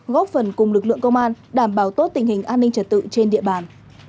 góp phần cùng lực lượng công an đảm bảo tốt tình hình an ninh trật tự trên địa bàn